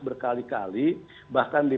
berkali kali bahkan di